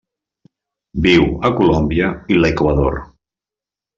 Viu a Colòmbia i l'Equador.